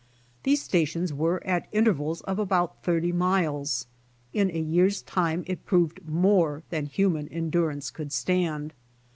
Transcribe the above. These stations weve at intervals of about thirty miles. In a year's time it proved more than human endurance could stand.